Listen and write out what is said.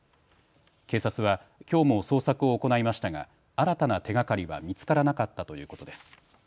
警察はきょうも捜索を行いましたが新たな手がかりは見つからなかったということです。